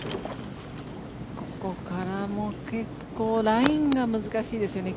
ここからも結構ラインが難しいですよね。